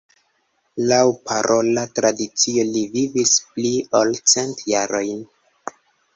Laŭ parola tradicio, li vivis pli ol cent jarojn.